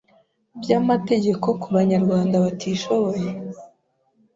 by amategeko ku Banyarwanda batishoboye